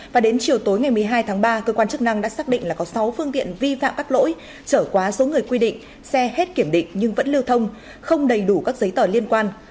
và đến chiều tối ngày một mươi hai tháng ba cơ quan chức năng đã xác định là có sáu phương tiện vi phạm các lỗi trở quá số người quy định xe hết kiểm định nhưng vẫn lưu thông không đầy đủ các giấy tờ liên quan